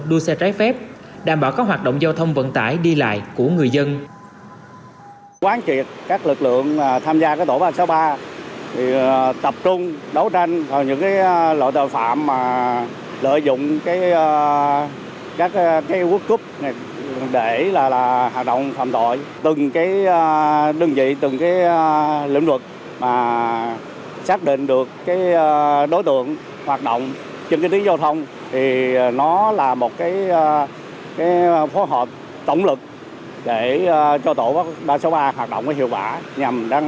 đua xe trái phép đảm bảo các hoạt động giao thông vận tải đi lại của người dân